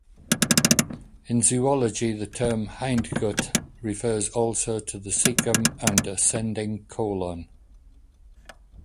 In zoology, the term "hindgut" refers also to the cecum and ascending colon.